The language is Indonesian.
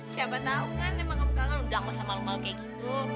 siapa tau kan emang kamu kangen udah ngos sama lho lho kayak gitu